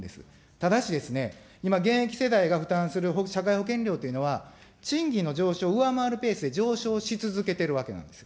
ただしですね、今、現役世代が負担する社会保険料というのは賃金の上昇を上回るペースで上昇し続けているわけなんです。